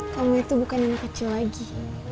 kamu itu bukan anak kecil lagi